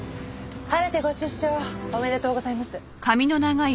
晴れてご出所おめでとうございます。